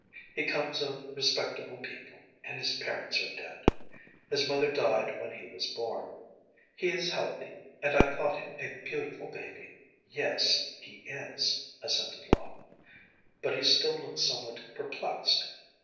He comes of respectable people, and his parents are dead. His mother died when he was born. He is healthy, and I thought him a beautiful baby.‚ÄĚ “Yes, he is,‚ÄĚ assented Lawton, but he still looked somewhat perplexed.